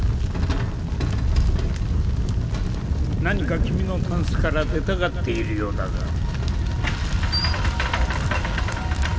何か君のタンスから出たがっているようだが